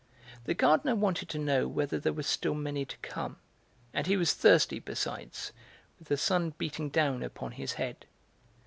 The gardener wanted to know whether there were still many to come, and he was thirsty besides, with the sun beating down upon his head.